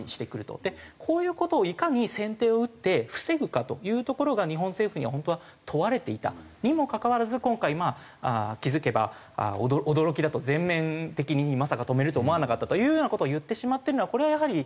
こういう事をいかに先手を打って防ぐかというところが日本政府には本当は問われていたにもかかわらず今回気付けば驚きだと全面的にまさか止めると思わなかったというような事を言ってしまってるのはこれはやはり。